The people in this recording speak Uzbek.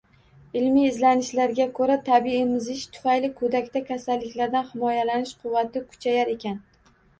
Ilmiy izlanishlarga ko‘ra, tabiiy emizish tufayli go‘dakda kasalliklardan himoyalanish quvvati kuchayar ekan.